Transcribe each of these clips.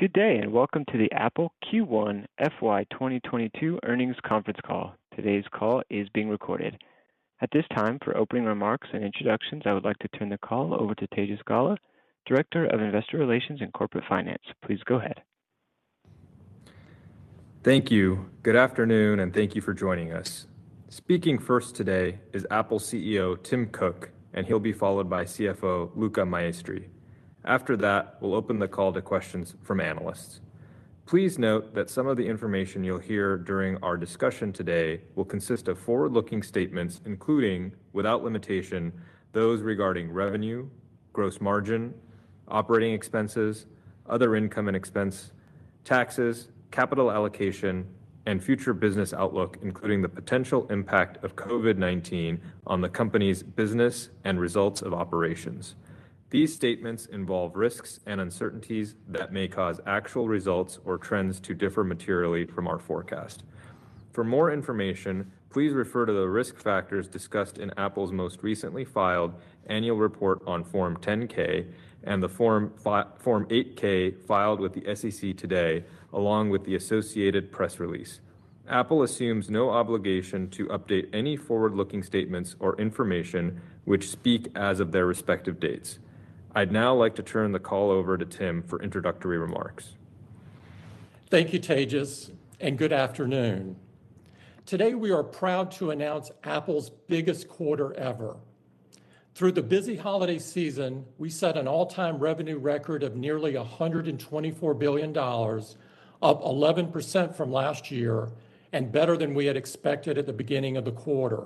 Good day, and welcome to the Apple Q1 FY 2022 Earnings Conference Call. Today's call is being recorded. At this time, for opening remarks and introductions, I would like to turn the call over to Tejas Gala, Director of Investor Relations and Corporate Finance. Please go ahead. Thank you. Good afternoon, and thank you for joining us. Speaking first today is Apple CEO Tim Cook, and he'll be followed by CFO Luca Maestri. After that, we'll open the call to questions from analysts. Please note that some of the information you'll hear during our discussion today will consist of forward-looking statements, including without limitation, those regarding revenue, gross margin, operating expenses, other income and expense, taxes, capital allocation, and future business outlook, including the potential impact of COVID-19 on the company's business and results of operations. These statements involve risks and uncertainties that may cause actual results or trends to differ materially from our forecast. For more information, please refer to the risk factors discussed in Apple's most recently filed annual report on Form 10-K and the Form 8-K filed with the SEC today, along with the associated press release. Apple assumes no obligation to update any forward-looking statements or information which speak as of their respective dates. I'd now like to turn the call over to Tim for introductory remarks. Thank you, Tejas, and good afternoon. Today, we are proud to announce Apple's biggest quarter ever. Through the busy holiday season, we set an all-time revenue record of nearly $124 billion, up 11% from last year and better than we had expected at the beginning of the quarter.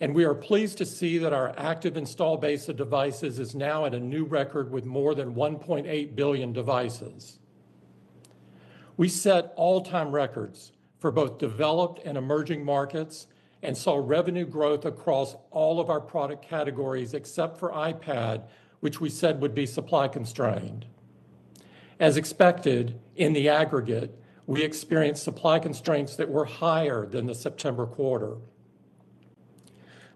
We are pleased to see that our active install base of devices is now at a new record with more than 1.8 billion devices. We set all-time records for both developed and emerging markets and saw revenue growth across all of our product categories except for iPad, which we said would be supply constrained. As expected, in the aggregate, we experienced supply constraints that were higher than the September quarter.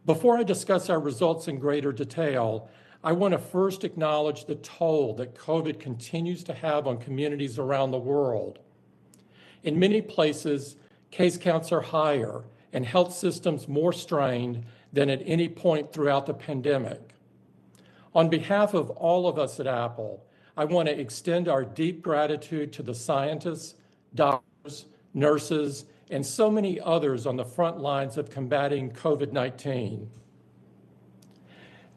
Before I discuss our results in greater detail, I want to first acknowledge the toll that COVID continues to have on communities around the world. In many places, case counts are higher and health systems more strained than at any point throughout the pandemic. On behalf of all of us at Apple, I want to extend our deep gratitude to the scientists, doctors, nurses, and so many others on the front lines of combating COVID-19.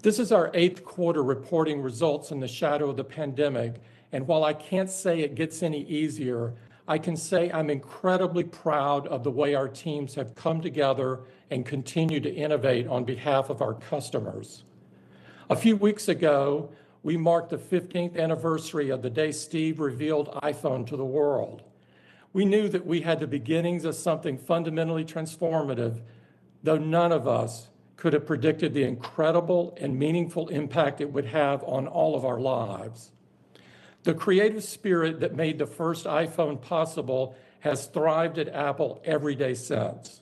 This is our eighth quarter reporting results in the shadow of the pandemic, and while I can't say it gets any easier, I can say I'm incredibly proud of the way our teams have come together and continue to innovate on behalf of our customers. A few weeks ago, we marked the fifteenth anniversary of the day Steve revealed iPhone to the world. We knew that we had the beginnings of something fundamentally transformative, though none of us could have predicted the incredible and meaningful impact it would have on all of our lives. The creative spirit that made the first iPhone possible has thrived at Apple every day since.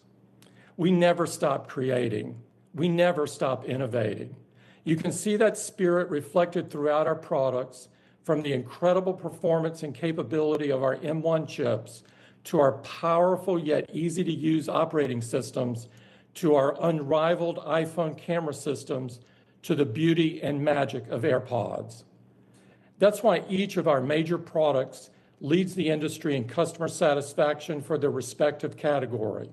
We never stop creating. We never stop innovating. You can see that spirit reflected throughout our products from the incredible performance and capability of our M1 chips, to our powerful yet easy-to-use operating systems, to our unrivaled iPhone camera systems, to the beauty and magic of AirPods. That's why each of our major products leads the industry in customer satisfaction for their respective category.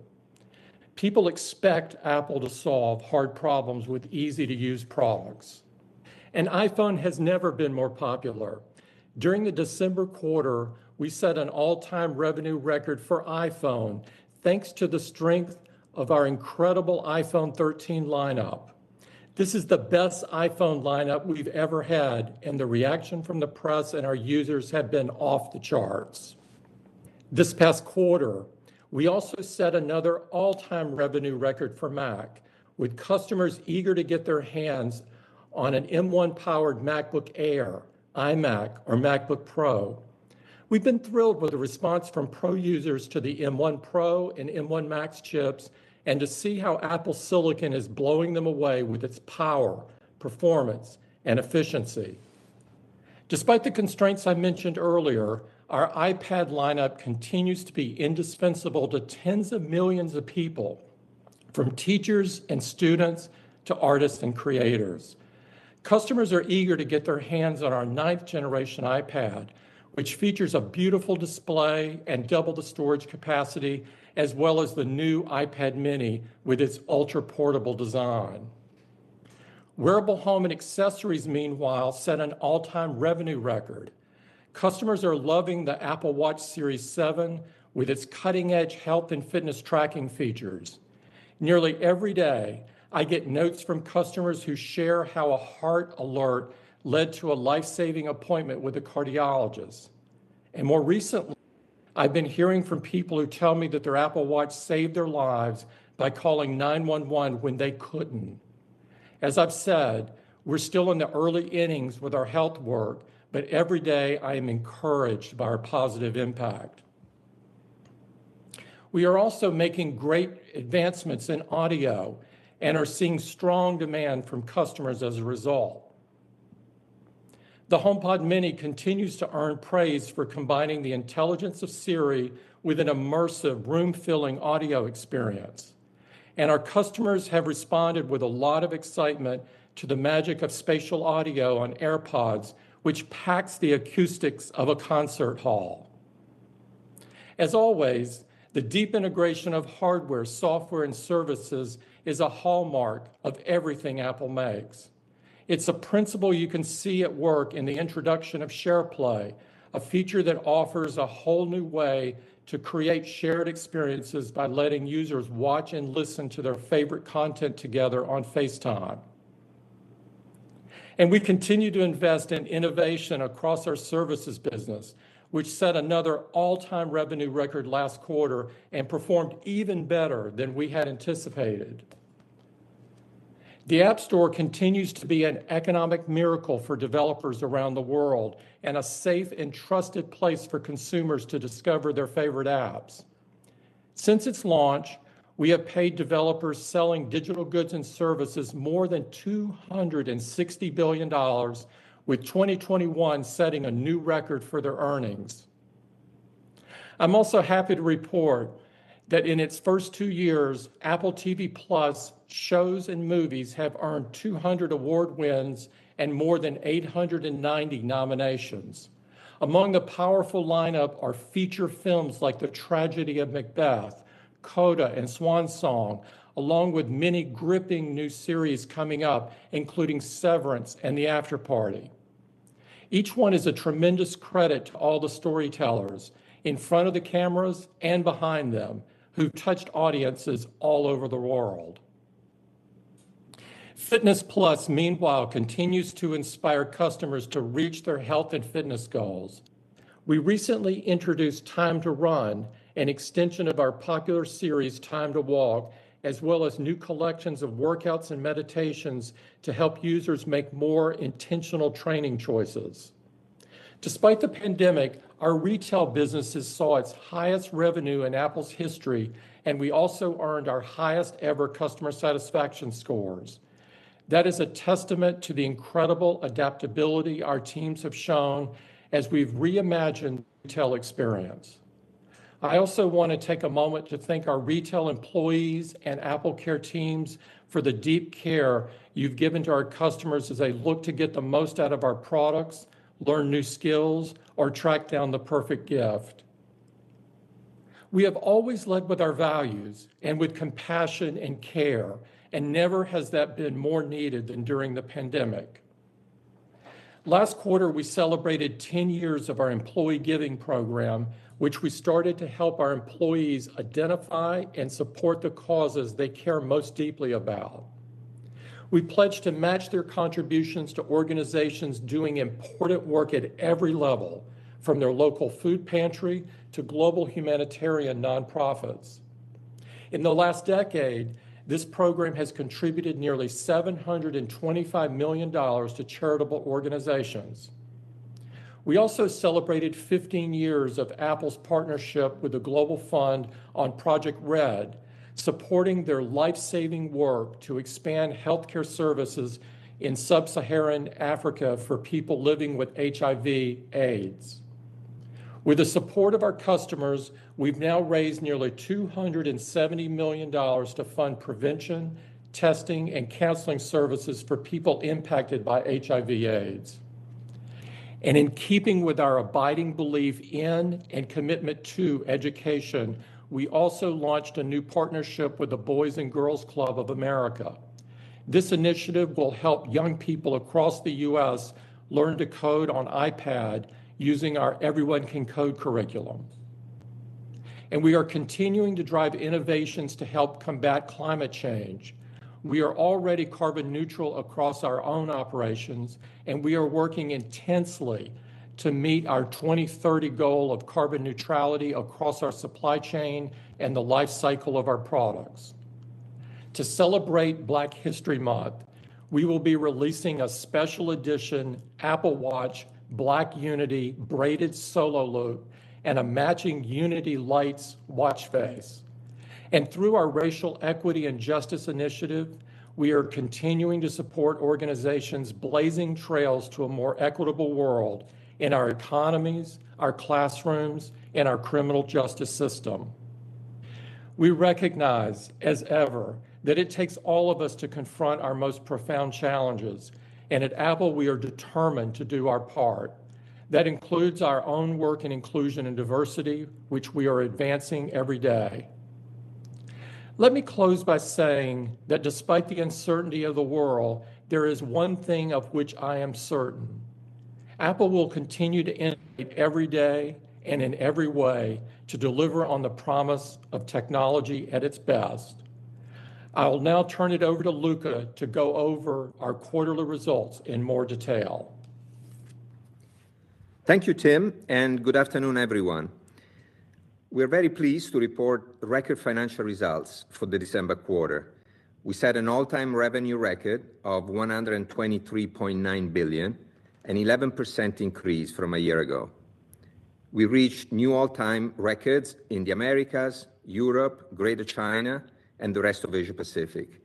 People expect Apple to solve hard problems with easy-to-use products. iPhone has never been more popular. During the December quarter, we set an all-time revenue record for iPhone thanks to the strength of our incredible iPhone 13 lineup. This is the best iPhone lineup we've ever had, and the reaction from the press and our users have been off the charts. This past quarter, we also set another all-time revenue record for Mac with customers eager to get their hands on an M1-powered MacBook Air, iMac, or MacBook Pro. We've been thrilled with the response from pro users to the M1 Pro and M1 Max chips and to see how Apple silicon is blowing them away with its power, performance, and efficiency. Despite the constraints I mentioned earlier, our iPad lineup continues to be indispensable to tens of millions of people, from teachers and students to artists and creators. Customers are eager to get their hands on our ninth generation iPad, which features a beautiful display and double the storage capacity, as well as the new iPad mini with its ultra-portable design. Wearables, Home and Accessories, meanwhile, set an all-time revenue record. Customers are loving the Apple Watch Series 7 with its cutting-edge health and fitness tracking features. Nearly every day, I get notes from customers who share how a heart alert led to a life-saving appointment with a cardiologist. More recently, I've been hearing from people who tell me that their Apple Watch saved their lives by calling 911 when they couldn't. As I've said, we're still in the early innings with our health work, but every day I am encouraged by our positive impact. We are also making great advancements in audio and are seeing strong demand from customers as a result. The HomePod mini continues to earn praise for combining the intelligence of Siri with an immersive room-filling audio experience. Our customers have responded with a lot of excitement to the magic of spatial audio on AirPods, which packs the acoustics of a concert hall. As always, the deep integration of hardware, software, and services is a hallmark of everything Apple makes. It's a principle you can see at work in the introduction of SharePlay, a feature that offers a whole new way to create shared experiences by letting users watch and listen to their favorite content together on FaceTime. We continue to invest in innovation across our services business, which set another all-time revenue record last quarter and performed even better than we had anticipated. The App Store continues to be an economic miracle for developers around the world and a safe and trusted place for consumers to discover their favorite apps. Since its launch, we have paid developers selling digital goods and services more than $260 billion, with 2021 setting a new record for their earnings. I'm also happy to report that in its first two years, Apple TV+ shows and movies have earned 200 award wins and more than 890 nominations. Among the powerful lineup are feature films like The Tragedy of Macbeth, CODA, and Swan Song, along with many gripping new series coming up, including Severance and The Afterparty. Each one is a tremendous credit to all the storytellers in front of the cameras and behind them who've touched audiences all over the world. Fitness+, meanwhile, continues to inspire customers to reach their health and fitness goals. We recently introduced Time to Run, an extension of our popular series Time to Walk, as well as new collections of workouts and meditations to help users make more intentional training choices. Despite the pandemic, our retail businesses saw its highest revenue in Apple's history, and we also earned our highest-ever customer satisfaction scores. That is a testament to the incredible adaptability our teams have shown as we've reimagined the retail experience. I also want to take a moment to thank our retail employees and AppleCare teams for the deep care you've given to our customers as they look to get the most out of our products, learn new skills, or track down the perfect gift. We have always led with our values and with compassion and care, and never has that been more needed than during the pandemic. Last quarter, we celebrated 10 years of our employee giving program, which we started to help our employees identify and support the causes they care most deeply about. We pledged to match their contributions to organizations doing important work at every level, from their local food pantry to global humanitarian nonprofits. In the last decade, this program has contributed nearly $725 million to charitable organizations. We also celebrated 15 years of Apple's partnership with the Global Fund on Product RED, supporting their life-saving work to expand healthcare services in sub-Saharan Africa for people living with HIV/AIDS. With the support of our customers, we've now raised nearly $270 million to fund prevention, testing, and counseling services for people impacted by HIV/AIDS. In keeping with our abiding belief in and commitment to education, we also launched a new partnership with the Boys & Girls Clubs of America. This initiative will help young people across the U.S. learn to code on iPad using our Everyone Can Code curriculum. We are continuing to drive innovations to help combat climate change. We are already carbon neutral across our own operations, and we are working intensely to meet our 2030 goal of carbon neutrality across our supply chain and the life cycle of our products. To celebrate Black History Month, we will be releasing a special edition Apple Watch Black Unity Braided Solo Loop and a matching Unity Lights watch face. Through our Racial Equity and Justice Initiative, we are continuing to support organizations blazing trails to a more equitable world in our economies, our classrooms, and our criminal justice system. We recognize, as ever, that it takes all of us to confront our most profound challenges, and at Apple, we are determined to do our part. That includes our own work in inclusion and diversity, which we are advancing every day. Let me close by saying that despite the uncertainty of the world, there is one thing of which I am certain: Apple will continue to innovate every day and in every way to deliver on the promise of technology at its best. I will now turn it over to Luca to go over our quarterly results in more detail. Thank you, Tim, and good afternoon, everyone. We're very pleased to report record financial results for the December quarter. We set an all-time revenue record of $123.9 billion, an 11% increase from a year ago. We reached new all-time records in the Americas, Europe, Greater China, and the rest of Asia-Pacific.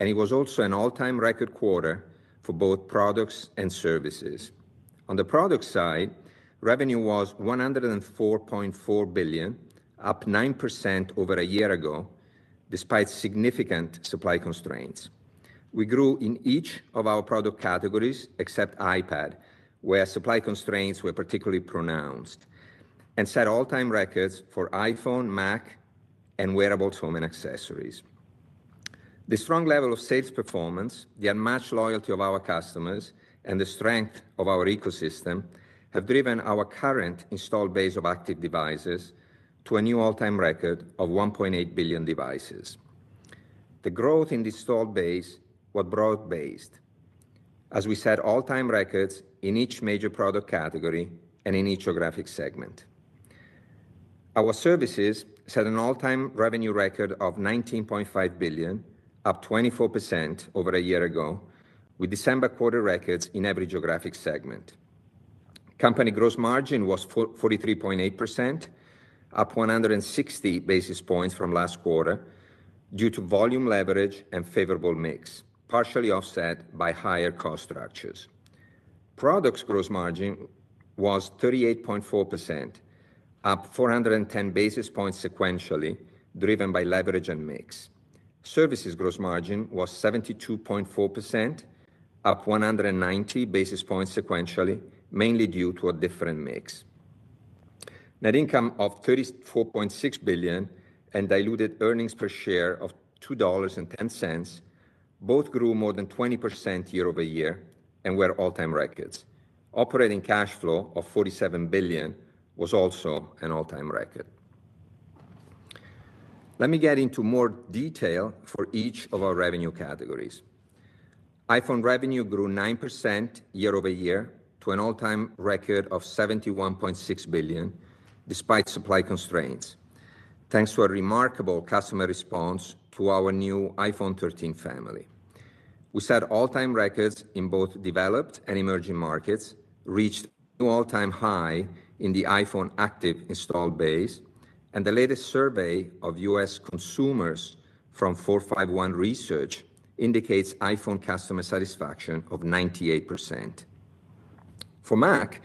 It was also an all-time record quarter for both products and services. On the product side, revenue was $104.4 billion, up 9% over a year ago, despite significant supply constraints. We grew in each of our product categories, except iPad, where supply constraints were particularly pronounced, and set all-time records for iPhone, Mac, and wearables, home and accessories. The strong level of sales performance, the unmatched loyalty of our customers, and the strength of our ecosystem have driven our current installed base of active devices to a new all-time record of 1.8 billion devices. The growth in the installed base was broad-based, as we set all-time records in each major product category and in each geographic segment. Our services set an all-time revenue record of $19.5 billion, up 24% over a year ago, with December quarter records in every geographic segment. Company gross margin was 43.8%, up 160 basis points from last quarter due to volume leverage and favorable mix, partially offset by higher cost structures. Products gross margin was 38.4%, up 410 basis points sequentially, driven by leverage and mix. Services gross margin was 72.4%, up 190 basis points sequentially, mainly due to a different mix. Net income of $34.6 billion and diluted earnings per share of $2.10 both grew more than 20% year-over-year and were all-time records. Operating cash flow of $47 billion was also an all-time record. Let me get into more detail for each of our revenue categories. iPhone revenue grew 9% year-over-year to an all-time record of $71.6 billion, despite supply constraints, thanks to a remarkable customer response to our new iPhone 13 family. We set all-time records in both developed and emerging markets, reached an all-time high in the iPhone active installed base, and the latest survey of U.S. consumers from 451 Research indicates iPhone customer satisfaction of 98%. For Mac,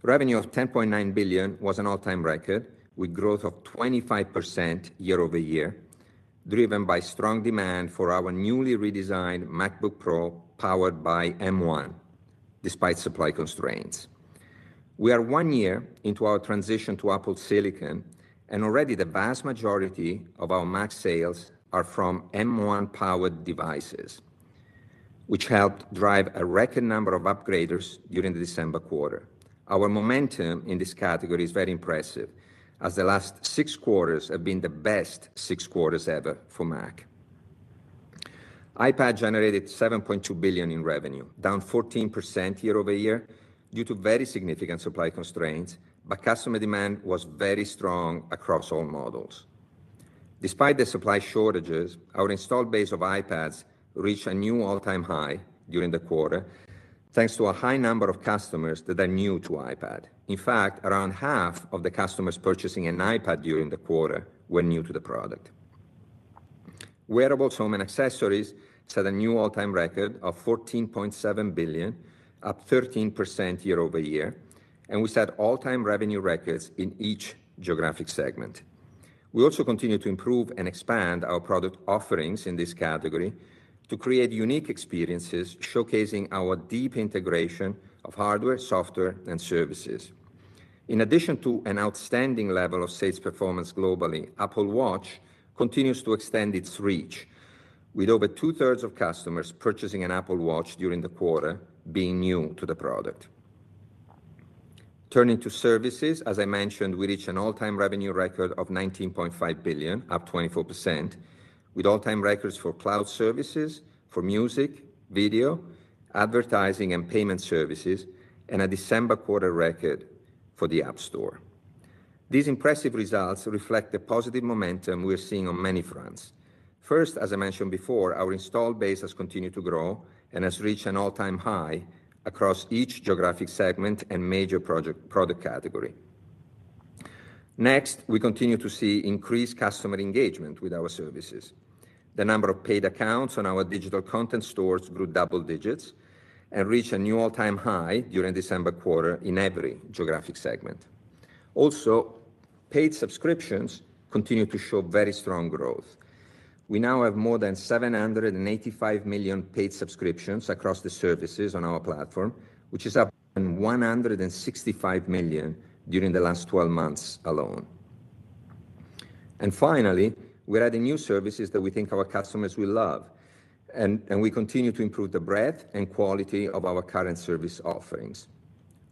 revenue of $10.9 billion was an all-time record, with growth of 25% year-over-year, driven by strong demand for our newly redesigned MacBook Pro powered by M1, despite supply constraints. We are one year into our transition to Apple silicon, and already the vast majority of our Mac sales are from M1-powered devices, which helped drive a record number of upgraders during the December quarter. Our momentum in this category is very impressive, as the last six quarters have been the best six quarters ever for Mac. iPad generated $7.2 billion in revenue, down 14% year-over-year due to very significant supply constraints, but customer demand was very strong across all models. Despite the supply shortages, our installed base of iPads reached a new all-time high during the quarter, thanks to a high number of customers that are new to iPad. In fact, around half of the customers purchasing an iPad during the quarter were new to the product. Wearables, home and accessories set a new all-time record of $14.7 billion, up 13% year-over-year, and we set all-time revenue records in each geographic segment. We also continue to improve and expand our product offerings in this category to create unique experiences showcasing our deep integration of hardware, software, and services. In addition to an outstanding level of sales performance globally, Apple Watch continues to extend its reach, with over two-thirds of customers purchasing an Apple Watch during the quarter being new to the product. Turning to services, as I mentioned, we reached an all-time revenue record of $19.5 billion, up 24%, with all-time records for cloud services, for music, video, advertising, and payment services, and a December quarter record for the App Store. These impressive results reflect the positive momentum we are seeing on many fronts. First, as I mentioned before, our installed base has continued to grow and has reached an all-time high across each geographic segment and major product category. Next, we continue to see increased customer engagement with our services. The number of paid accounts on our digital content stores grew double digits and reached a new all-time high during the December quarter in every geographic segment. Also, paid subscriptions continue to show very strong growth. We now have more than 785 million paid subscriptions across the services on our platform, which is up from 165 million during the last 12 months alone. Finally, we're adding new services that we think our customers will love, and we continue to improve the breadth and quality of our current service offerings.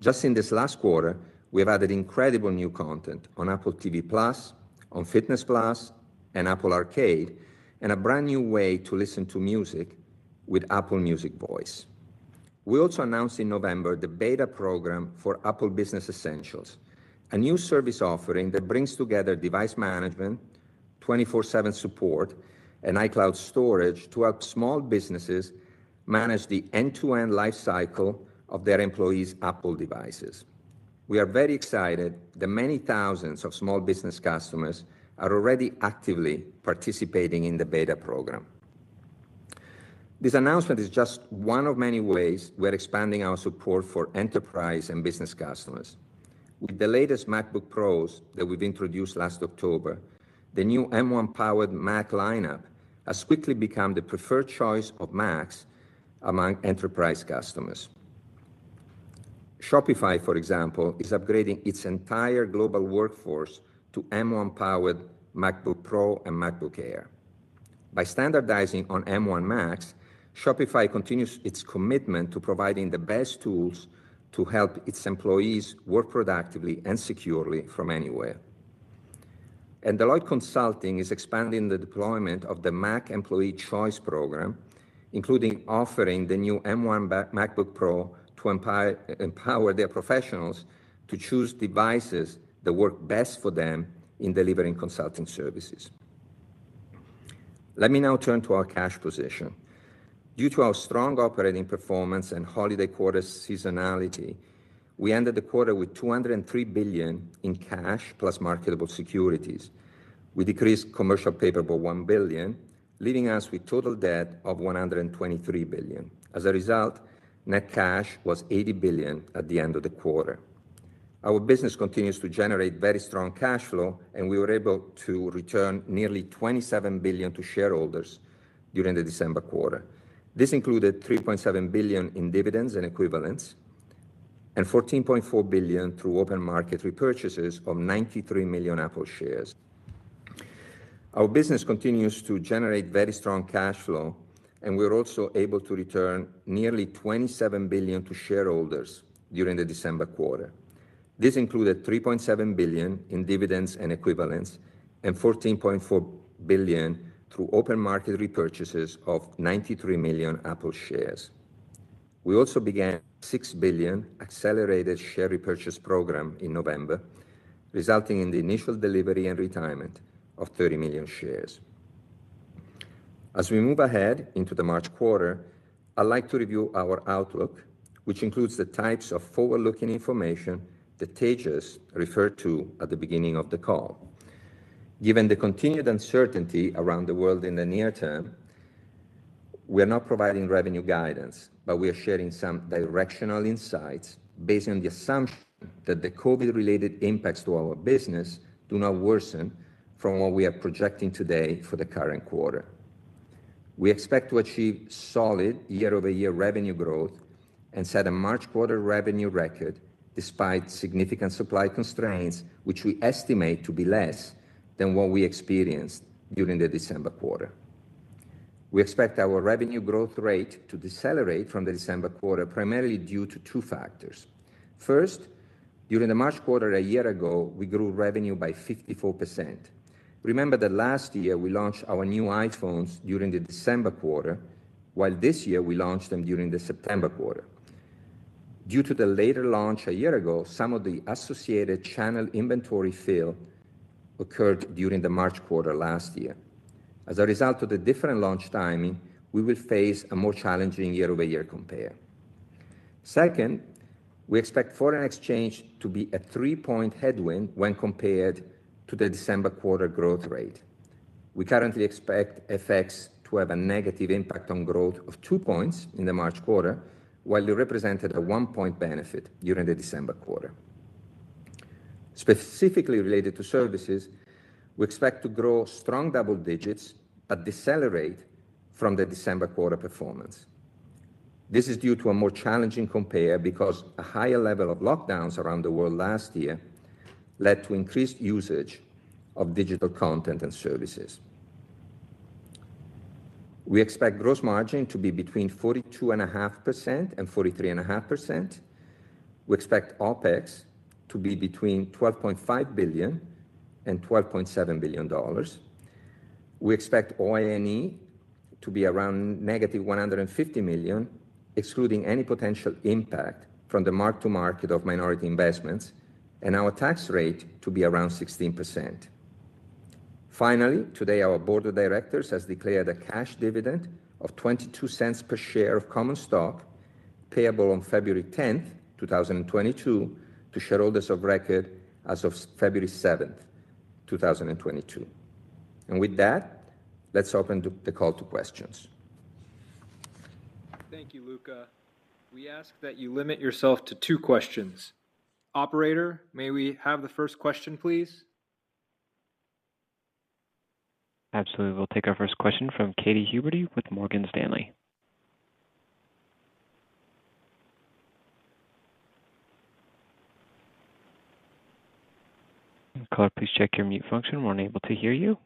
Just in this last quarter, we have added incredible new content on Apple TV+, on Fitness+, and Apple Arcade, and a brand-new way to listen to music with Apple Music Voice. We also announced in November the beta program for Apple Business Essentials, a new service offering that brings together device management, 24/7 support, and iCloud storage to help small businesses manage the end-to-end life cycle of their employees' Apple devices. We are very excited that many thousands of small business customers are already actively participating in the beta program. This announcement is just one of many ways we're expanding our support for enterprise and business customers. With the latest MacBook Pros that we've introduced last October, the new M1-powered Mac lineup has quickly become the preferred choice of Macs among enterprise customers. Shopify, for example, is upgrading its entire global workforce to M1-powered MacBook Pro and MacBook Air. By standardizing on M1 Macs, Shopify continues its commitment to providing the best tools to help its employees work productively and securely from anywhere. Deloitte Consulting is expanding the deployment of the Mac Employee Choice Program, including offering the new M1 MacBook Pro to empower their professionals to choose devices that work best for them in delivering consulting services. Let me now turn to our cash position. Due to our strong operating performance and holiday quarter seasonality, we ended the quarter with $203 billion in cash+ marketable securities. We decreased commercial paper by $1 billion, leaving us with total debt of $123 billion. As a result, net cash was $80 billion at the end of the quarter. Our business continues to generate very strong cash flow, and we were able to return nearly $27 billion to shareholders during the December quarter. This included $3.7 billion in dividends and equivalents and $14.4 billion through open market repurchases of 93 million Apple shares. This included $3.7 billion in dividends and equivalents and $14.4 billion through open market repurchases of 93 million Apple shares. We also began $6 billion accelerated share repurchase program in November, resulting in the initial delivery and retirement of 30 million shares. As we move ahead into the March quarter, I'd like to review our outlook, which includes the types of forward-looking information that Tejas referred to at the beginning of the call. Given the continued uncertainty around the world in the near term, we're not providing revenue guidance, but we are sharing some directional insights based on the assumption that the COVID-related impacts to our business do not worsen from what we are projecting today for the current quarter. We expect to achieve solid year-over-year revenue growth and set a March quarter revenue record despite significant supply constraints, which we estimate to be less than what we experienced during the December quarter. We expect our revenue growth rate to decelerate from the December quarter, primarily due to two factors. First, during the March quarter a year ago, we grew revenue by 54%. Remember that last year we launched our new iPhones during the December quarter, while this year we launched them during the September quarter. Due to the later launch a year ago, some of the associated channel inventory fill occurred during the March quarter last year. As a result of the different launch timing, we will face a more challenging year-over-year compare. Second, we expect foreign exchange to be a 3-point headwind when compared to the December quarter growth rate. We currently expect FX to have a negative impact on growth of two points in the March quarter, while it represented a 1-point benefit during the December quarter. Specifically related to services, we expect to grow strong double digits but decelerate from the December quarter performance. This is due to a more challenging compare because a higher level of lockdowns around the world last year led to increased usage of digital content and services. We expect gross margin to be between 42.5% and 43.5%. We expect OpEx to be between $12.5 billion and $12.7 billion. We expect OIE to be around negative $150 million, excluding any potential impact from the mark to market of minority investments, and our tax rate to be around 16%. Finally, today our board of directors has declared a cash dividend of $0.22 per share of common stock payable on February 10, 2022 to shareholders of record as of February 7, 2022. With that, let's open the call to questions. Thank you, Luca. We ask that you limit yourself to two questions. Operator, may we have the first question, please? Absolutely. We'll take our first question from Katy Huberty with Morgan Stanley. Caller, please check your mute function. We're unable to hear you.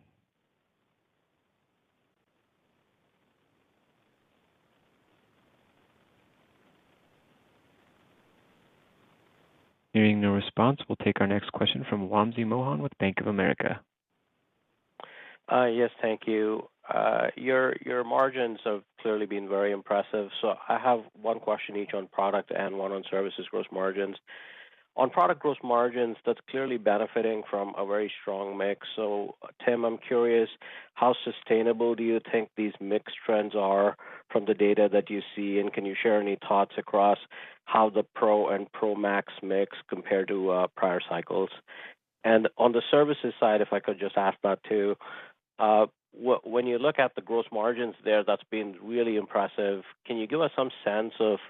Hearing no response, we'll take our next question from Wamsi Mohan with Bank of America. Yes, thank you. Your margins have clearly been very impressive, so I have one question each on product and one on services gross margins. On product gross margins, that's clearly benefiting from a very strong mix. Tim, I'm curious, how sustainable do you think these mix trends are from the data that you see, and can you share any thoughts across how the Pro and Pro Max mix compare to prior cycles? On the services side, if I could just ask that too, when you look at the gross margins there, that's been really impressive. Can you give us some sense of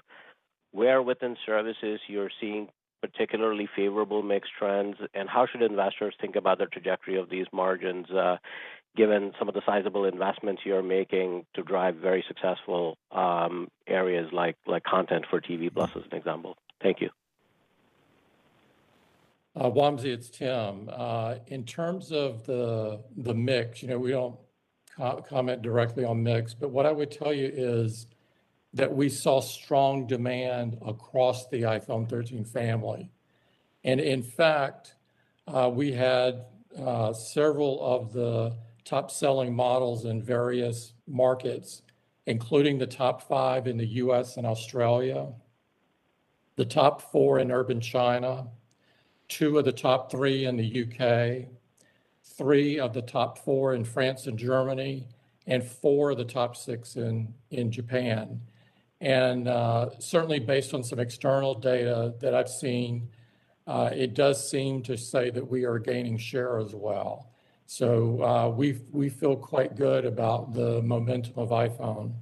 where within services you're seeing particularly favorable mix trends, and how should investors think about the trajectory of these margins, given some of the sizable investments you're making to drive very successful areas like content for TV+ as an example? Thank you. Wamsi, it's Tim. In terms of the mix, you know, we don't comment directly on mix, but what I would tell you is that we saw strong demand across the iPhone 13 family. In fact, we had several of the top-selling models in various markets, including the top five in the U.S. and Australia, the top four in urban China, two of the top three in the U.K., three of the top four in France and Germany, and four of the top six in Japan. Certainly based on some external data that I've seen, it does seem to say that we are gaining share as well. We feel quite good about the momentum of iPhone.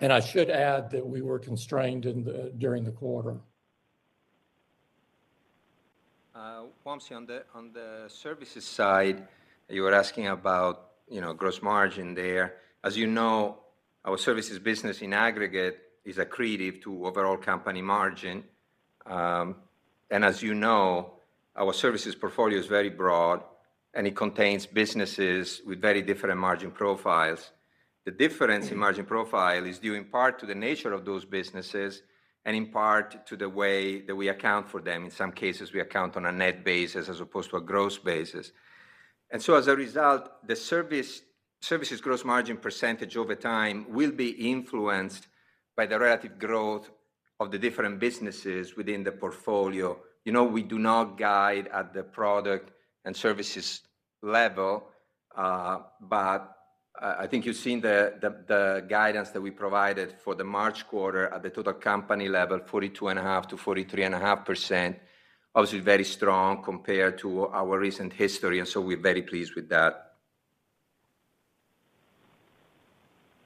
I should add that we were constrained during the quarter. Wamsi, on the services side, you were asking about, you know, gross margin there. As you know, our services business in aggregate is accretive to overall company margin. As you know, our services portfolio is very broad, and it contains businesses with very different margin profiles. The difference in margin profile is due in part to the nature of those businesses and in part to the way that we account for them. In some cases, we account on a net basis as opposed to a gross basis. As a result, the services gross margin percentage over time will be influenced by the relative growth of the different businesses within the portfolio. You know, we do not guide at the product and services level, but I think you've seen the guidance that we provided for the March quarter at the total company level, 42.5%-43.5%. Obviously very strong compared to our recent history, and so we're very pleased with that.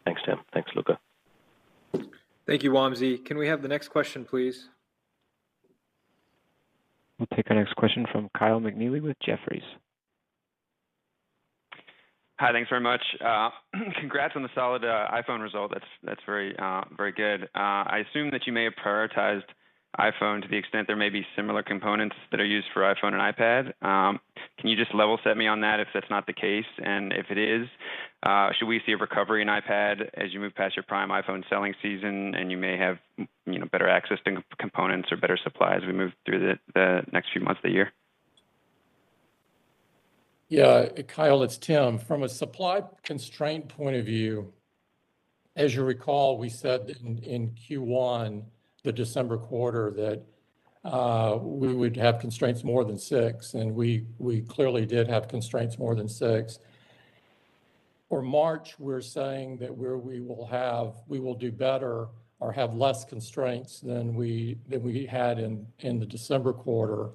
Thanks, Tim. Thanks, Luca. Thank you, Wamsi. Can we have the next question, please? We'll take our next question from Kyle McNealy with Jefferies. Hi. Thanks very much. Congrats on the solid iPhone result. That's very very good. I assume that you may have prioritized iPhone to the extent there may be similar components that are used for iPhone and iPad. Can you just level set me on that if that's not the case? If it is, should we see a recovery in iPad as you move past your prime iPhone selling season and you may have, you know, better access to components or better supply as we move through the next few months of the year? Yeah. Kyle, it's Tim. From a supply constraint point of view, as you recall, we said that in Q1, the December quarter, that we would have constraints more than six, and we clearly did have constraints more than six. For March, we're saying that we will do better or have less constraints than we had in the December quarter.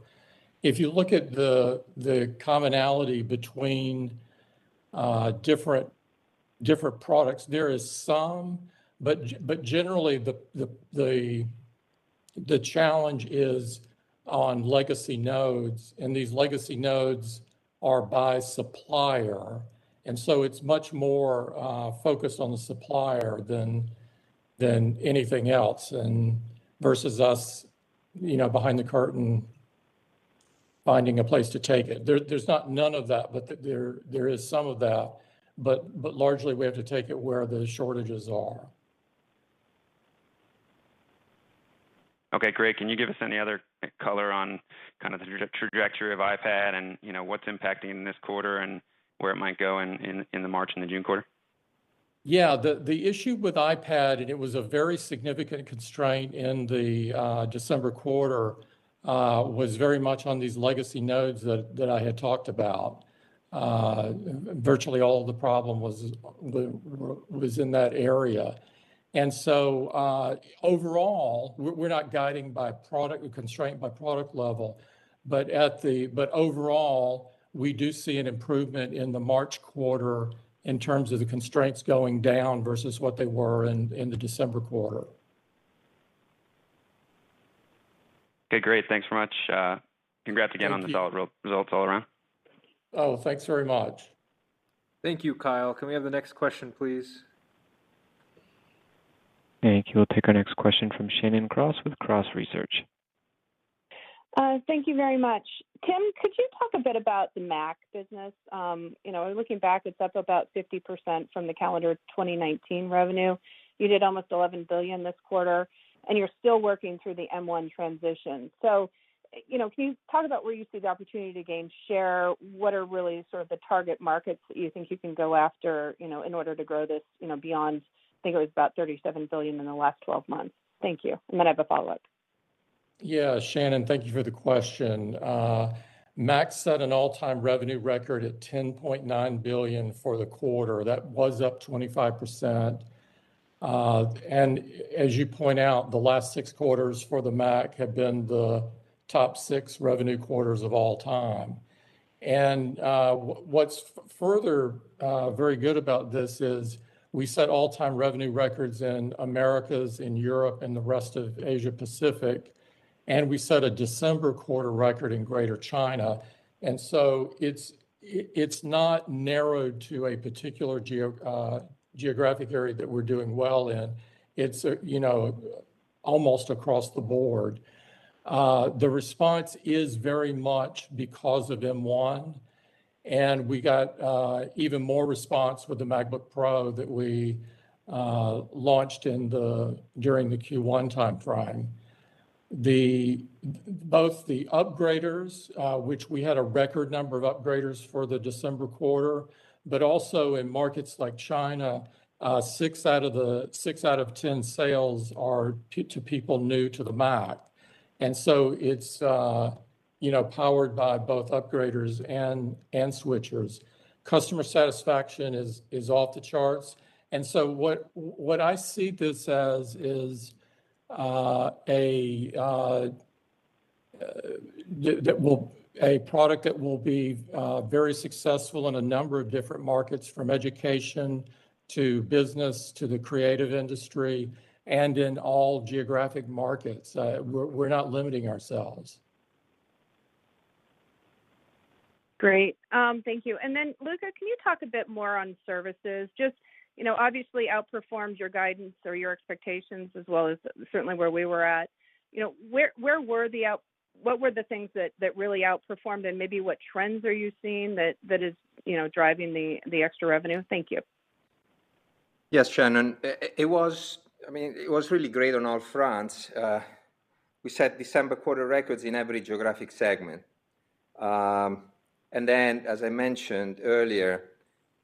If you look at the commonality between different products, there is some, but generally, the challenge is on legacy nodes, and these legacy nodes are by supplier. It's much more focused on the supplier than anything else and versus us, you know, behind the curtain finding a place to take it. There's not none of that, but there is some of that. Largely we have to take it where the shortages are. Okay, great. Can you give us any other color on kind of the trajectory of iPad and, you know, what's impacting this quarter and where it might go in the March and the June quarter? The issue with iPad, and it was a very significant constraint in the December quarter, was very much on these legacy nodes that I had talked about. Virtually all the problem was in that area. Overall, we're not guiding by product or constraint by product level. Overall, we do see an improvement in the March quarter in terms of the constraints going down versus what they were in the December quarter. Okay, great. Thanks very much. Congrats again. Thank you. On the solid results all around. Oh, thanks very much. Thank you, Kyle. Can we have the next question, please? Thank you. We'll take our next question from Shannon Cross with Cross Research. Thank you very much. Talk a bit about the Mac business. You know, looking back, it's up about 50% from the calendar 2019 revenue. You did almost $11 billion this quarter, and you're still working through the M1 transition. You know, can you talk about where you see the opportunity to gain share? What are really sort of the target markets that you think you can go after, you know, in order to grow this, you know, beyond, I think it was about $37 billion in the last twelve months. Thank you. I have a follow-up. Yeah. Shannon, thank you for the question. Mac set an all-time revenue record at $10.9 billion for the quarter. That was up 25%. As you point out, the last six quarters for the Mac have been the top six revenue quarters of all time. What's further very good about this is we set all-time revenue records in Americas, in Europe, and the rest of Asia-Pacific, and we set a December quarter record in Greater China. It's not narrowed to a particular geographic area that we're doing well in. It's you know, almost across the board. The response is very much because of M1, and we got even more response with the MacBook Pro that we launched during the Q1 timeframe. Both the upgraders, which we had a record number of upgraders for the December quarter, but also in markets like China, 6 out of 10 sales are to people new to the Mac. It's you know, powered by both upgraders and switchers. Customer satisfaction is off the charts. What I see this as is a product that will be very successful in a number of different markets, from education to business, to the creative industry and in all geographic markets. We're not limiting ourselves. Great. Thank you. Luca, can you talk a bit more on Services? Just, you know, obviously outperformed your guidance or your expectations as well as certainly where we were at. You know, what were the things that really outperformed and maybe what trends are you seeing that is, you know, driving the extra revenue? Thank you. Yes, Shannon. I mean, it was really great on all fronts. We set December quarter records in every geographic segment. As I mentioned earlier,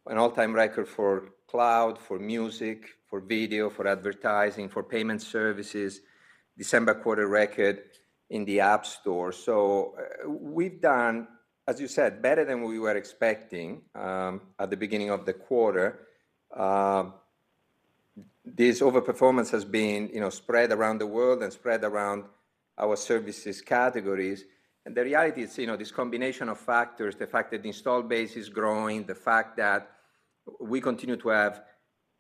an all-time record for cloud, for music, for video, for advertising, for payment services. December quarter record in the App Store. We've done, as you said, better than we were expecting at the beginning of the quarter. This overperformance has been, you know, spread around the world and spread around our services categories. The reality is, you know, this combination of factors, the fact that the install base is growing, the fact that we continue to have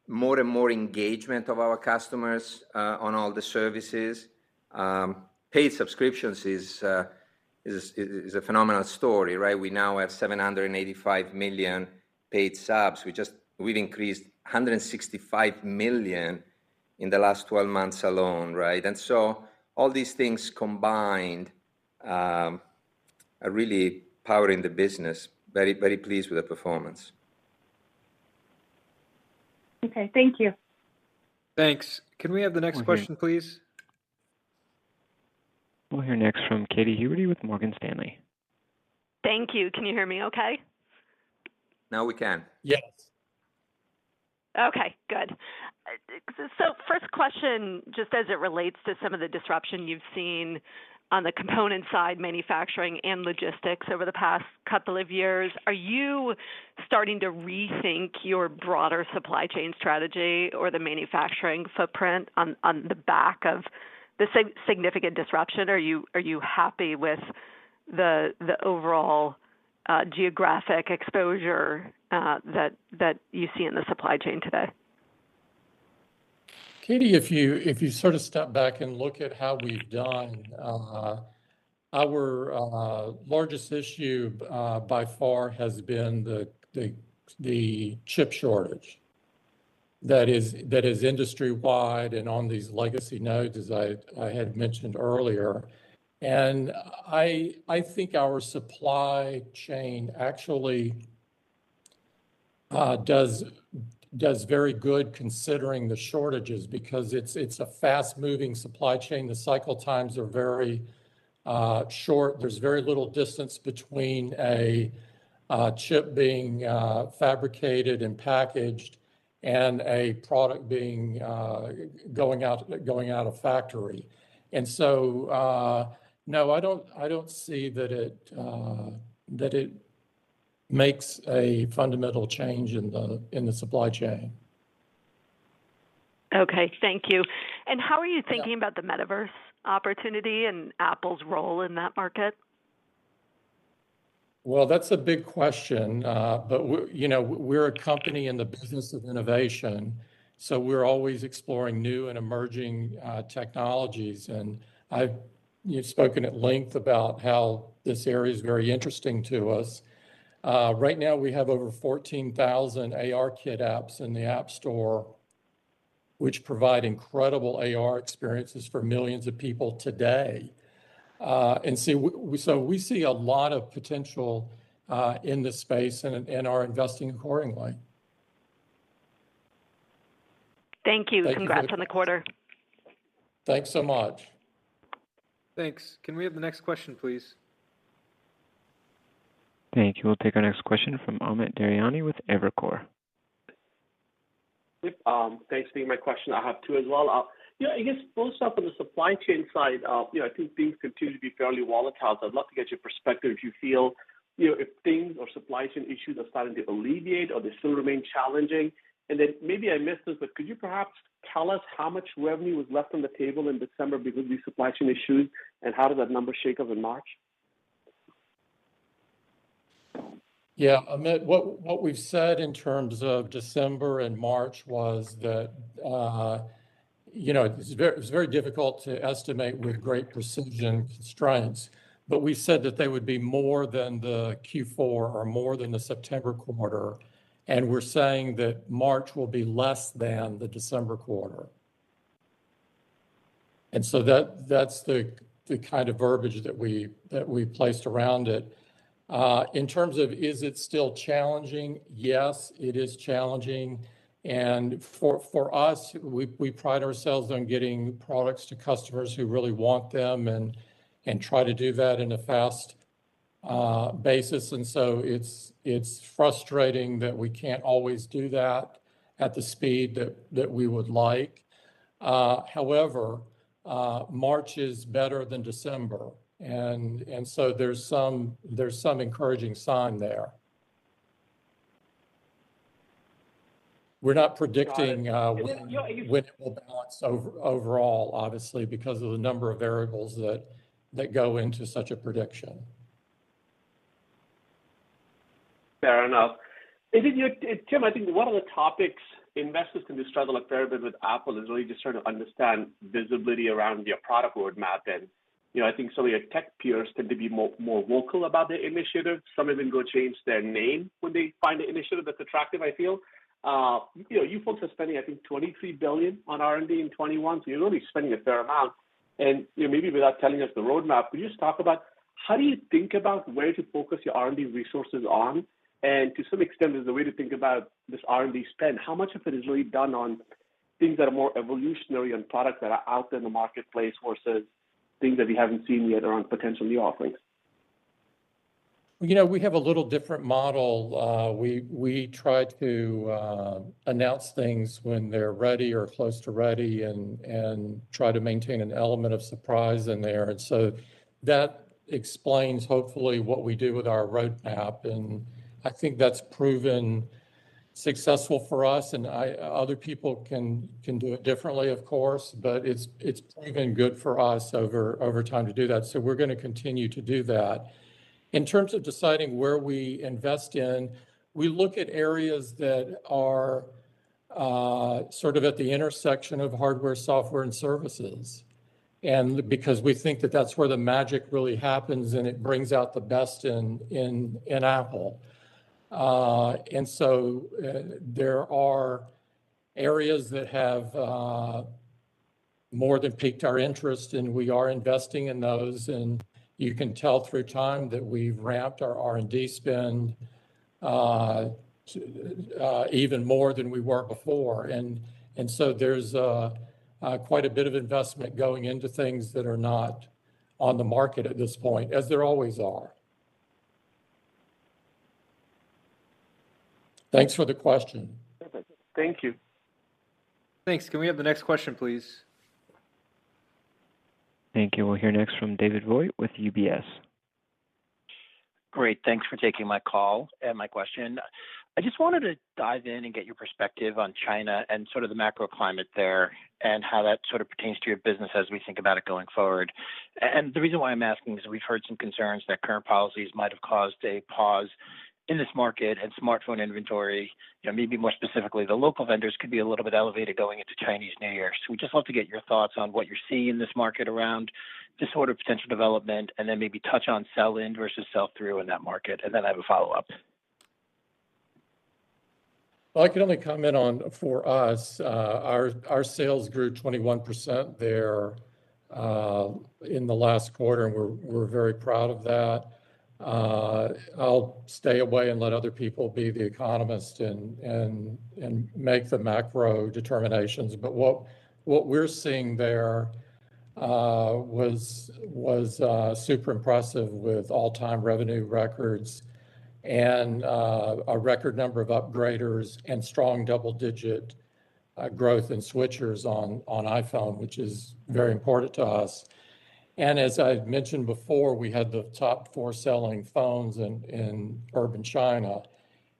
more and more engagement of our customers on all the services. Paid subscriptions is a phenomenal story, right? We now have 785 million paid subs. We've increased $165 million in the last 12 months alone, right? All these things combined are really powering the business. We're very, very pleased with the performance. Okay. Thank you. Thanks. Can we have the next question, please? We'll hear next from Katy Huberty with Morgan Stanley. Thank you. Can you hear me okay? Now we can. Yes. Okay, good. First question, just as it relates to some of the disruption you've seen on the component side, manufacturing and logistics over the past couple of years, are you starting to rethink your broader supply chain strategy or the manufacturing footprint on the back of the significant disruption? Are you happy with the overall geographic exposure that you see in the supply chain today? Katy, if you sort of step back and look at how we've done our largest issue by far has been the chip shortage that is industry-wide and on these legacy nodes, as I had mentioned earlier. I think our supply chain actually does very well considering the shortages because it's a fast-moving supply chain. The cycle times are very short. There's very little distance between a chip being fabricated and packaged and a product going out of factory. No, I don't see that it makes a fundamental change in the supply chain. Okay. Thank you. How are you thinking about the metaverse opportunity and Apple's role in that market? Well, that's a big question. you know, we're a company in the business of innovation, so we're always exploring new and emerging technologies. you've spoken at length about how this area is very interesting to us. right now we have over 14,000 ARKit apps in the App Store, which provide incredible AR experiences for millions of people today. we see a lot of potential in this space and are investing accordingly. Thank you. Thank you very much. Congrats on the quarter. Thanks so much. Thanks. Can we have the next question, please? Thank you. We'll take our next question from Amit Daryanani with Evercore. Yep. Thanks for taking my question. I have two as well. You know, I guess both start from the supply chain side. You know, I think things continue to be fairly volatile, so I'd love to get your perspective if you feel, you know, if things or supply chain issues are starting to alleviate or they still remain challenging. Then maybe I missed this, but could you perhaps tell us how much revenue was left on the table in December because of these supply chain issues, and how did that number shake up in March? Yeah. Amit, what we've said in terms of December and March was that, you know, it's very difficult to estimate with great precision constraints. We said that they would be more than the Q4 or more than the September quarter, and we're saying that March will be less than the December quarter. That's the kind of verbiage that we placed around it. In terms of, is it still challenging? Yes, it is challenging. For us, we pride ourselves on getting products to customers who really want them and try to do that in a fast basis. It's frustrating that we can't always do that at the speed that we would like. However, March is better than December, and so there's some encouraging sign there. We're not predicting. Got it. When it will balance overall, obviously, because of the number of variables that go into such a prediction. Fair enough. Tim, I think one of the topics investors can just struggle a fair bit with Apple is really just trying to understand visibility around your product roadmap. You know, I think some of your tech peers tend to be more vocal about their initiatives. Some of them go change their name when they find an initiative that's attractive, I feel. You know, you folks are spending, I think, $23 billion on R&D in 2021, so you're already spending a fair amount. You know, maybe without telling us the roadmap, could you just talk about how do you think about where to focus your R&D resources on? To some extent, is the way to think about this R&D spend, how much of it is really done on things that are more evolutionary and products that are out there in the marketplace versus things that we haven't seen yet around potential new offerings? You know, we have a little different model. We try to announce things when they're ready or close to ready and try to maintain an element of surprise in there. That explains, hopefully, what we do with our roadmap, and I think that's proven successful for us and other people can do it differently, of course. It's proven good for us over time to do that. We're gonna continue to do that. In terms of deciding where we invest in, we look at areas that are sort of at the intersection of hardware, software, and services. Because we think that that's where the magic really happens, and it brings out the best in Apple. There are areas that have more than piqued our interest, and we are investing in those. You can tell through time that we've ramped our R&D spend to even more than we were before. There's quite a bit of investment going into things that are not on the market at this point, as there always are. Thanks for the question. Thank you. Thanks. Can we have the next question, please? Thank you. We'll hear next from David Vogt with UBS. Great. Thanks for taking my call and my question. I just wanted to dive in and get your perspective on China and sort of the macro climate there and how that sort of pertains to your business as we think about it going forward. And the reason why I'm asking is we've heard some concerns that current policies might have caused a pause in this market and smartphone inventory. You know, maybe more specifically, the local vendors could be a little bit elevated going into Chinese New Year. We'd just love to get your thoughts on what you're seeing in this market around just sort of potential development, and then maybe touch on sell-in versus sell-through in that market. Then I have a follow-up. Well, I can only comment on for us. Our sales grew 21% there in the last quarter, and we're very proud of that. I'll stay away and let other people be the economist and make the macro determinations. What we're seeing there was super impressive with all-time revenue records and a record number of upgraders and strong double-digit growth in switchers on iPhone, which is very important to us. As I've mentioned before, we had the top four selling phones in urban China.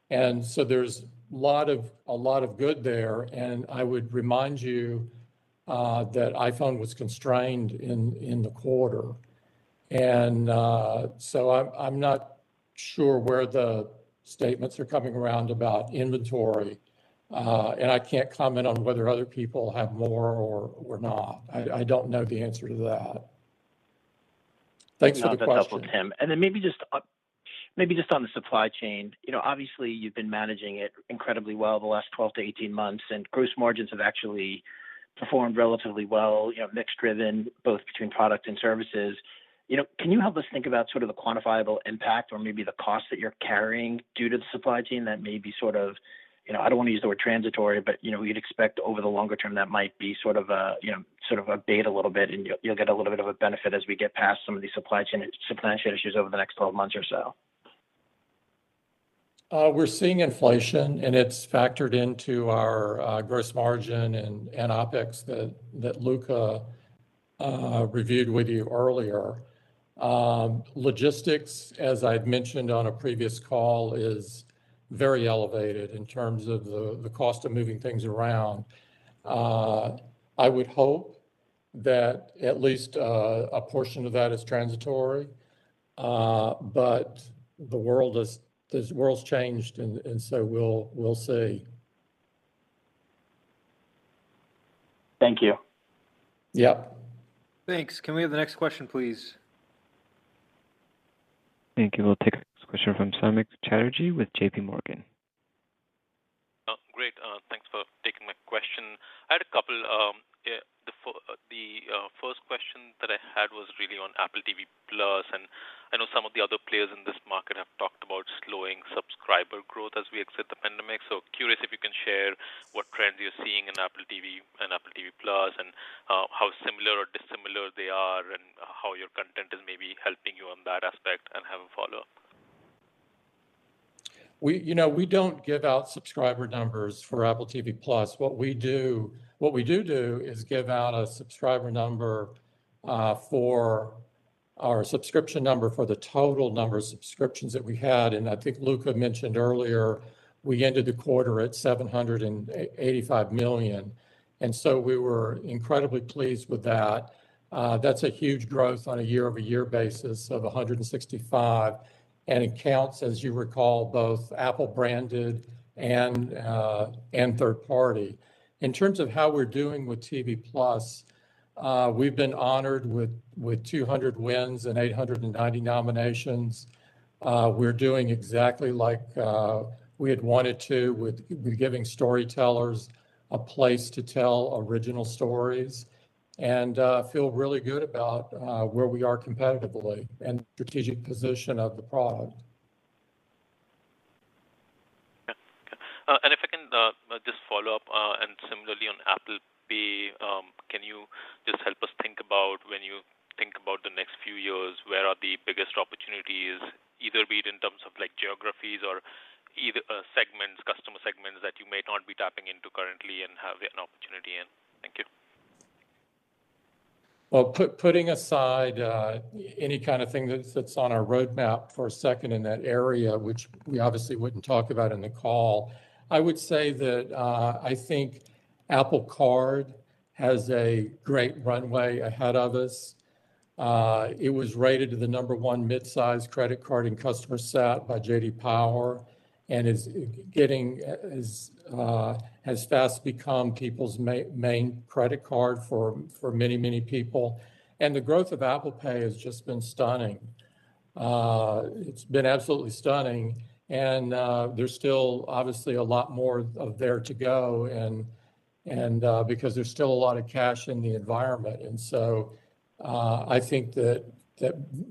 There's a lot of good there. I would remind you that iPhone was constrained in the quarter. I'm not sure where the statements are coming around about inventory. I can't comment on whether other people have more or not. I don't know the answer to that. Thanks for the question. Then maybe just on the supply chain, you know, obviously you've been managing it incredibly well the last 12- 18 months, and gross margins have actually performed relatively well, you know, mix-driven, both between product and services. You know, can you help us think about sort of the quantifiable impact or maybe the cost that you're carrying due to the supply chain that may be sort of, you know, I don't want to use the word transitory, but, you know, we'd expect over the longer term that might be sort of a, you know, sort of abate a little bit and you'll get a little bit of a benefit as we get past some of these supply chain issues over the next 12 months or so. We're seeing inflation, and it's factored into our gross margin and OpEx that Luca reviewed with you earlier. Logistics, as I've mentioned on a previous call, is very elevated in terms of the cost of moving things around. I would hope that at least a portion of that is transitory, but the world's changed and so we'll see. Thank you. Yeah. Thanks. Can we have the next question, please? Thank you. We'll take our next question from Samik Chatterjee with JPMorgan. Oh, great. Thanks for taking my question. I had a couple. The first question that I had was really on Apple TV+. I know some of the other players in this market have talked about slowing subscriber growth as we exit the pandemic. Curious if you can share what trends you're seeing in Apple TV and Apple TV+ and how similar or dissimilar they are, and how your content is maybe helping you on that aspect. I have a follow-up. You know, we don't give out subscriber numbers for Apple TV+. What we do do is give out a subscriber number for our subscription number for the total number of subscriptions that we had. I think Luca mentioned earlier, we ended the quarter at 785 million. We were incredibly pleased with that. That's a huge growth on a year-over-year basis of 165, and it counts, as you recall, both Apple branded and third party. In terms of how we're doing with TV+, we've been honored with 200 wins and 890 nominations. We're doing exactly like we had wanted to with giving storytellers a place to tell original stories and feel really good about where we are competitively and strategic position of the product. Okay. If I can just follow up, and similarly on Apple Pay, can you just help us think about when you think about the next few years, where are the biggest opportunities, either be it in terms of like geographies or either, segments, customer segments that you may not be tapping into currently and have an opportunity in? Thank you. Well, putting aside any kind of thing that sits on our roadmap for a second in that area, which we obviously wouldn't talk about in the call, I would say that I think Apple Card has a great runway ahead of us. It was rated the number one midsize credit card and customer sat by J.D. Power and has fast become people's main credit card for many people. The growth of Apple Pay has just been stunning. It's been absolutely stunning. There's still obviously a lot more there to go and because there's still a lot of cash in the environment. I think that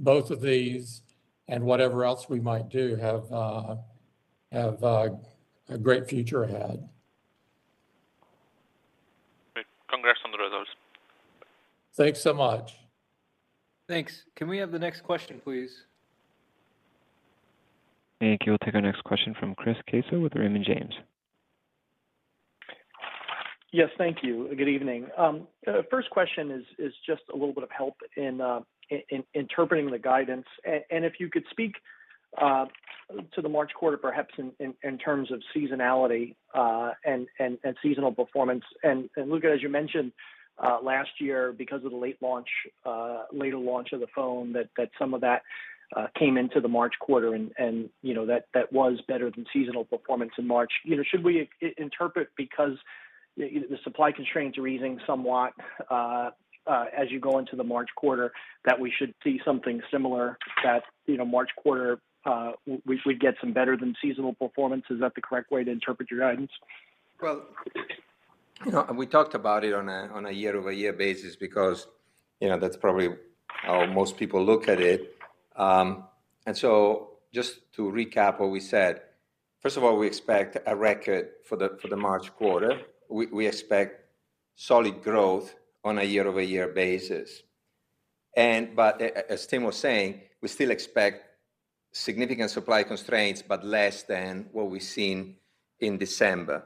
both of these and whatever else we might do have a great future ahead. Great. Congrats on the results. Thanks so much. Thanks. Can we have the next question, please? Thank you. We'll take our next question from Chris Caso with Raymond James. Yes, thank you. Good evening. First question is just a little bit of help in interpreting the guidance. If you could speak to the March quarter, perhaps in terms of seasonality, and seasonal performance. Luca, as you mentioned, last year because of the later launch of the phone that some of that came into the March quarter and you know that was better than seasonal performance in March. You know, should we interpret because the supply constraints are easing somewhat as you go into the March quarter, that we should see something similar, that you know March quarter we'd get some better than seasonal performance? Is that the correct way to interpret your guidance? Well, you know, we talked about it on a year-over-year basis because, you know, that's probably how most people look at it. Just to recap what we said, first of all, we expect a record for the March quarter. We expect solid growth on a year-over-year basis. As Tim was saying, we still expect significant supply constraints, but less than what we've seen in December.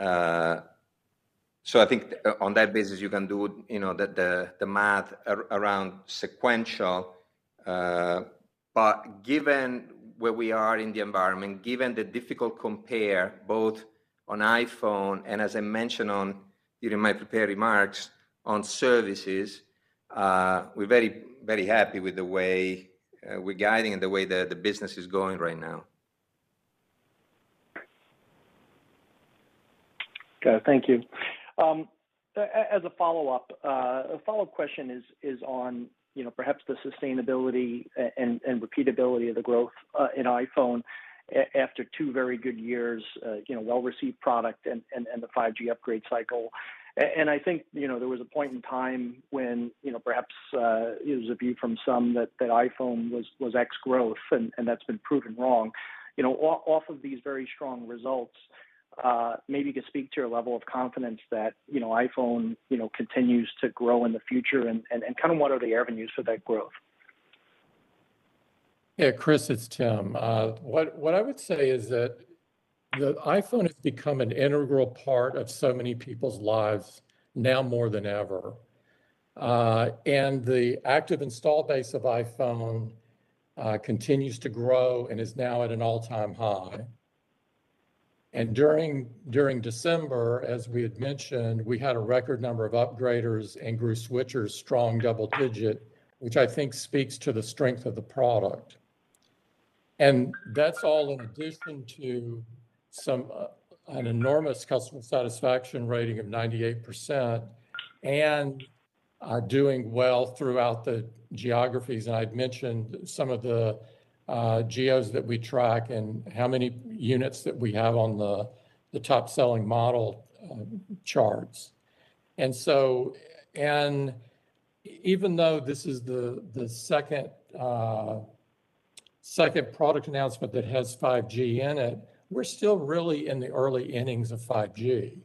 I think on that basis, you can do, you know, the math around sequential. Given where we are in the environment, given the difficult compare both on iPhone and as I mentioned during my prepared remarks on services, we're very happy with the way we're guiding and the way the business is going right now. Got it. Thank you. As a follow-up question is on, you know, perhaps the sustainability and repeatability of the growth in iPhone after two very good years, you know, well-received product and the 5G upgrade cycle. I think, you know, there was a point in time when, you know, perhaps it was a view from some that iPhone was ex-growth and that's been proven wrong. You know, off of these very strong results, maybe you could speak to your level of confidence that, you know, iPhone continues to grow in the future and kind of what are the avenues for that growth. Yeah, Chris, it's Tim. What I would say is that the iPhone has become an integral part of so many people's lives now more than ever. The active install base of iPhone continues to grow and is now at an all-time high. During December, as we had mentioned, we had a record number of upgraders and grew switchers strong double digit, which I think speaks to the strength of the product. That's all in addition to an enormous customer satisfaction rating of 98% and doing well throughout the geographies. I've mentioned some of the geos that we track and how many units that we have on the top-selling model charts. Even though this is the second product announcement that has 5G in it, we're still really in the early innings of 5G.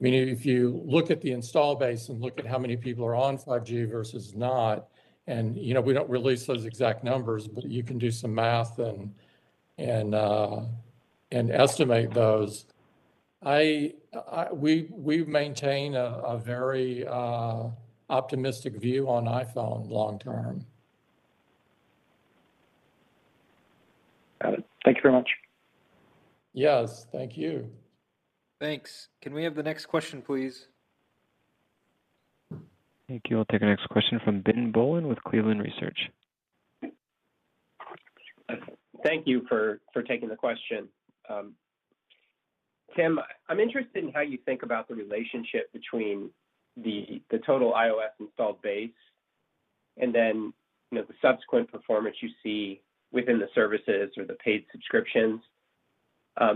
Meaning if you look at the install base and look at how many people are on 5G versus not, you know, we don't release those exact numbers, but you can do some math and estimate those. We maintain a very optimistic view on iPhone long term. Got it. Thank you very much. Yes. Thank you. Thanks. Can we have the next question, please? Thank you. I'll take our next question from Ben Bollin with Cleveland Research. Thank you for taking the question. Tim, I'm interested in how you think about the relationship between the total iOS installed base and then, you know, the subsequent performance you see within the services or the paid subscriptions. A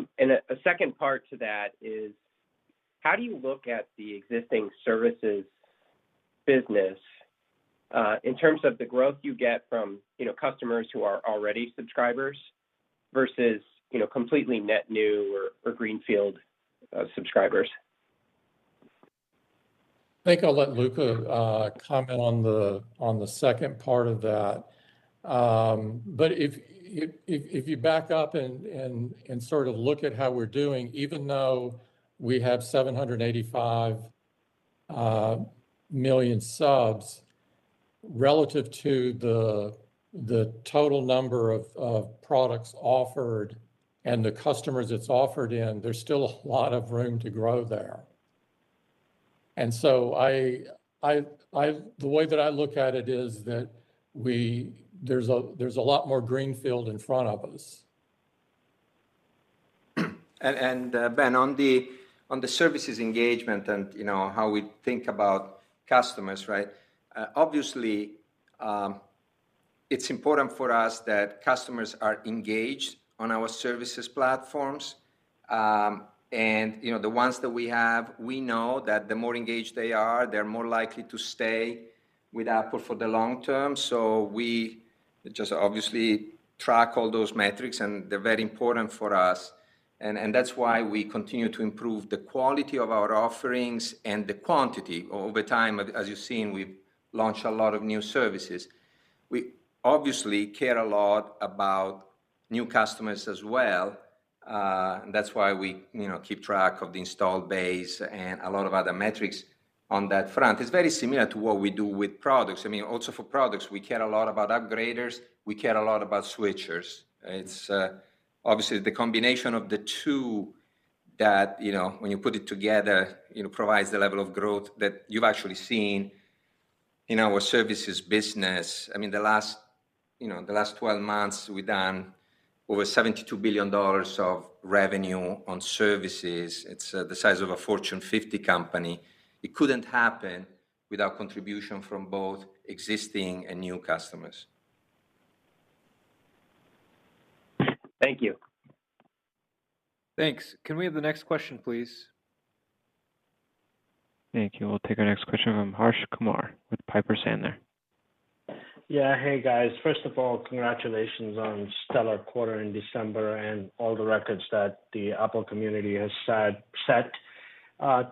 second part to that is how do you look at the existing services business in terms of the growth you get from, you know, customers who are already subscribers versus, you know, completely net new or greenfield subscribers? I think I'll let Luca comment on the second part of that. But if you back up and sort of look at how we're doing, even though we have 785 million subs, relative to the total number of products offered and the customers it's offered in, there's still a lot of room to grow there. The way that I look at it is that there's a lot more greenfield in front of us. Ben, on the services engagement and, you know, how we think about customers, right? Obviously, it's important for us that customers are engaged on our services platforms. You know, the ones that we have, we know that the more engaged they are, they're more likely to stay with Apple for the long term. We just obviously track all those metrics, and they're very important for us. That's why we continue to improve the quality of our offerings and the quantity over time. As you've seen, we've launched a lot of new services. We obviously care a lot about new customers as well, and that's why we, you know, keep track of the installed base and a lot of other metrics on that front. It's very similar to what we do with products. I mean, also for products, we care a lot about upgraders, we care a lot about switchers. It's obviously the combination of the two that, you know, when you put it together, you know, provides the level of growth that you've actually seen in our Services business. I mean, the last, you know, the last 12 months, we've done over $72 billion of revenue on Services. It's the size of a Fortune 50 company. It couldn't happen without contribution from both existing and new customers. Thank you. Thanks. Can we have the next question, please? Thank you. We'll take our next question from Harsh Kumar with Piper Sandler. Yeah. Hey, guys. First of all, congratulations on stellar quarter in December and all the records that the Apple community has set.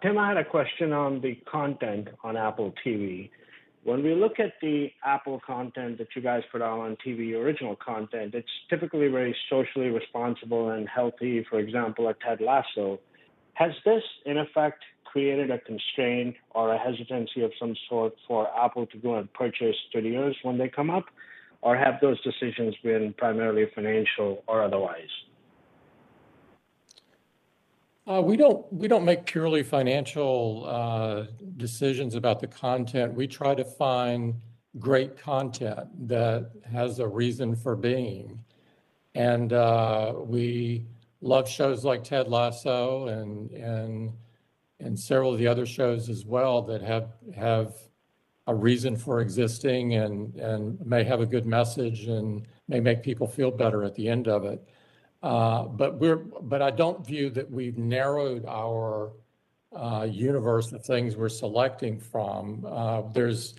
Tim, I had a question on the content on Apple TV. When we look at the Apple content that you guys put out on TV, original content, it's typically very socially responsible and healthy, for example, like Ted Lasso. Has this, in effect, created a constraint or a hesitancy of some sort for Apple to go and purchase studios when they come up? Or have those decisions been primarily financial or otherwise? We don't make purely financial decisions about the content. We try to find great content that has a reason for being. We love shows like Ted Lasso and several of the other shows as well that have a reason for existing and may have a good message and may make people feel better at the end of it. But I don't view that we've narrowed our universe of things we're selecting from. There's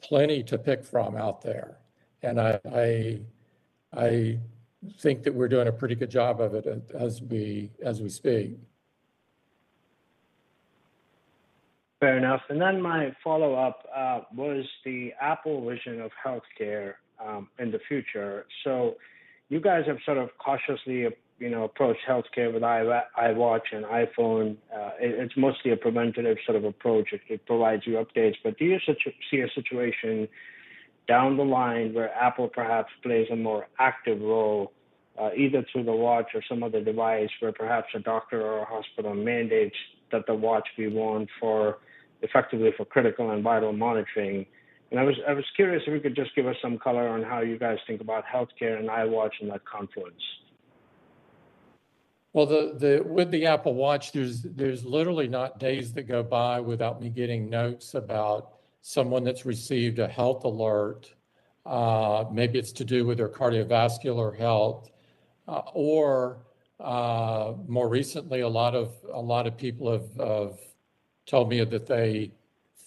plenty to pick from out there, and I think that we're doing a pretty good job of it as we speak. Fair enough. My follow-up was the Apple vision of healthcare in the future. You guys have sort of cautiously, you know, approached healthcare with Apple Watch and iPhone. It's mostly a preventative sort of approach. It provides you updates. Do you see a situation down the line where Apple perhaps plays a more active role, either through the Watch or some other device where perhaps a doctor or a hospital mandates that the Watch be worn effectively for critical and vital monitoring? I was curious if you could just give us some color on how you guys think about healthcare and Apple Watch and that confluence. Well, with the Apple Watch, there's literally not days that go by without me getting notes about someone that's received a health alert. Maybe it's to do with their cardiovascular health. Or, more recently, a lot of people have told me that they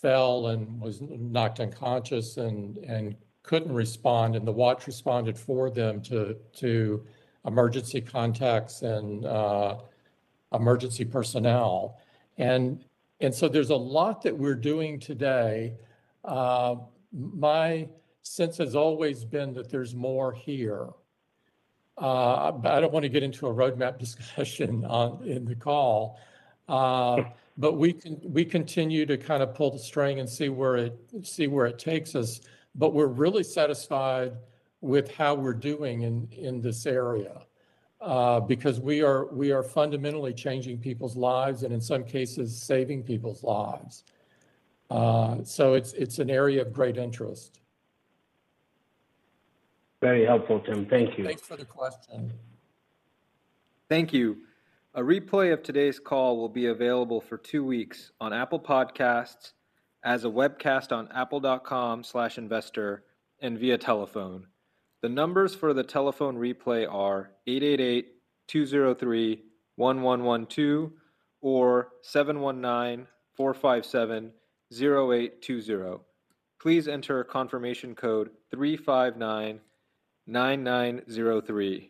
fell and was knocked unconscious and couldn't respond, and the watch responded for them to emergency contacts and emergency personnel. There's a lot that we're doing today. My sense has always been that there's more here. I don't wanna get into a roadmap discussion in the call. We continue to kind of pull the string and see where it takes us. We're really satisfied with how we're doing in this area, because we are fundamentally changing people's lives and in some cases, saving people's lives. It's an area of great interest. Very helpful, Tim. Thank you. Thanks for the question. Thank you. A replay of today's call will be available for two weeks on Apple Podcasts as a webcast on apple.com/investor and via telephone. The numbers for the telephone replay are 888-203-1112 or 719-457-0820. Please enter confirmation code 3599903.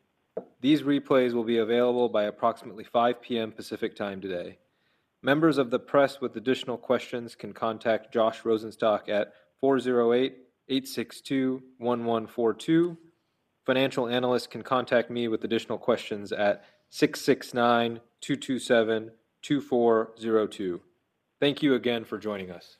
These replays will be available by approximately 5 P.M. Pacific Time today. Members of the press with additional questions can contact Josh Rosenstock at 408-862-1142. Financial analysts can contact me with additional questions at 669-227-2402. Thank you again for joining us.